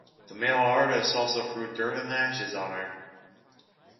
The male artists also threw dirt and ashes on her.